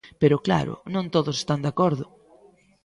Pero claro non todos están de acordo.